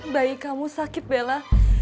bayi kamu sakit bella